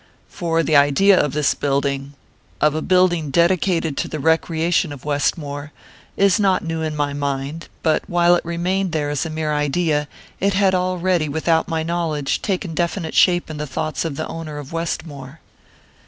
"For the idea of this building of a building dedicated to the recreation of Westmore is not new in my mind; but while it remained there as a mere idea, it had already, without my knowledge, taken definite shape in the thoughts of the owner of Westmore."